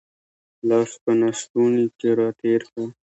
لاس په لستوڼي کې را تېر کړه